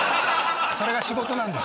それが仕事なんです。